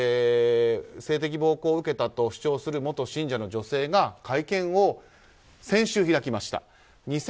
性的暴行を受けたと主張する元信者の女性が会見を先週、開きました。